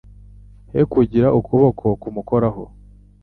He kugira ukuboko kumukoraho,